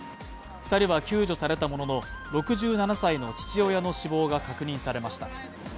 ２人は救助されたものの、６７歳の父親の死亡が確認されました。